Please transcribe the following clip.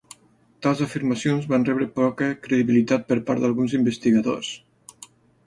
Tals afirmacions van rebre poca credibilitat per part d'alguns investigadors.